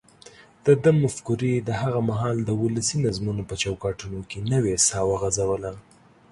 دده مفکورې د هغه مهال د ولسي نظمونو په چوکاټونو کې نوې ساه وغځوله.